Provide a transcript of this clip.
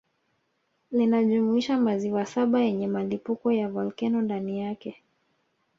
Linajumuisha maziwa saba yenye milipuko ya volkeno ndani yake